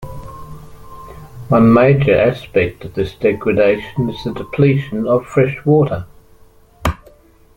One major aspect of this degradation is the depletion of fresh water.